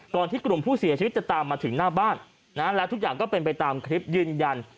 ที่กลุ่มผู้เสียชีวิตจะตามมาถึงหน้าบ้านและทุกอย่างก็เป็นไปตามคลิปยืนยัน